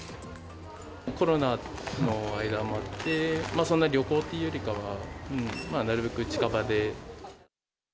コロナの間もあって、そんな旅行というよりかは、なるべく近場で。